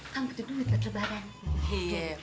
kan begitu duit lah terbaran